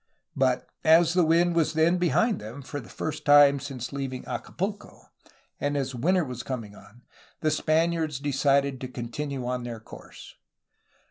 But as the wind was then behind them for the first time since leaving Acapulco and as winter was coming on, the Span iards decided to continue on their course.